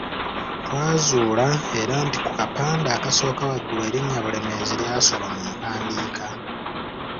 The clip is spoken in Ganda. Twazuula era nti ku kapande akasooka waggulu erinnya Bulemeezi lyasoba mu mpandiika.